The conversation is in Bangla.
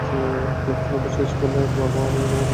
গল্প শোনানোর শেষে বলল, বাবা, আমিও তোমার মতো গল্প লিখতে পারি।